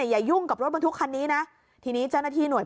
อย่ายุ่งกับรถบรรทุกคันนี้นะทีนี้เจ้าหน้าที่หน่วย